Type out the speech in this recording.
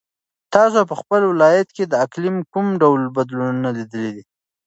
تاسو په خپل ولایت کې د اقلیم کوم ډول بدلونونه لیدلي دي؟